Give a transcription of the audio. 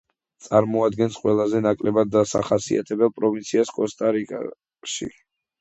წარმოადგენს ყველაზე ნაკლებად დასახლებულ პროვინციას კოსტა-რიკაში.